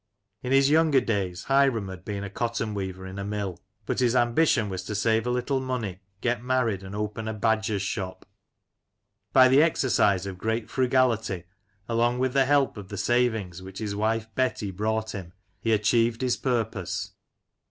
In his younger days Hiram had been a cotton weaver in a mill, but his ambition was to save a little money, get married, and open a " Badger's shop." By the exercise of great frugality, along with the help of the savings which his wife, Betty, brought him, he achieved his purpose.